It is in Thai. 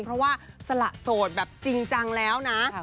เพราะว่าสละโสดแบบจริงจังแล้วนะ